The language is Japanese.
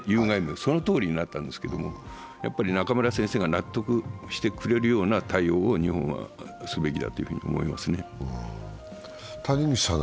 そのとおりになりましたけれども、やっぱり中村先生が納得してくれるような対応を日本はすべきだと思いますね。